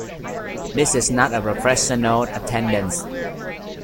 This is not a professional attendance.